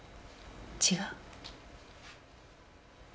違う？